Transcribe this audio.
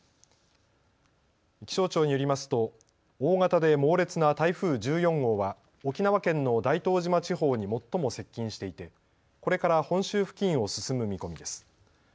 気象庁によりますと大型で猛烈な台風１４号は沖縄県の大東島地方に最も接近していて、これから本州付近を進む見込みです。